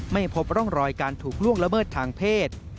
ไม่พบร่องรอยการถูกล่วงละเมิดทางเพศ